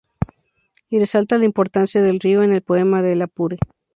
Y resalta la importancia del río en El poema del Apure.